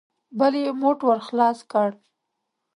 بل يې موټ ور خلاص کړ.